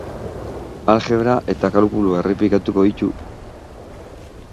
Algebra eta kalkulua errepikatuko ditu.